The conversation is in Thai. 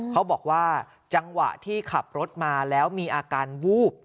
เขาบอกว่าจังหวะที่ขับรถมาแล้วมีอาการวูบ